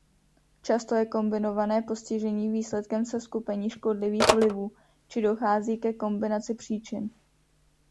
Často je kombinované postižení výsledkem seskupení škodlivých vlivů či dochází ke kombinaci příčin.